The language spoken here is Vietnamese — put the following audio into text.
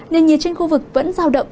nền nhiệt trên khu vực vẫn giao động